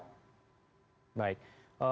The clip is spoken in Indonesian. prokomar kebiasaannya juga tidak lepas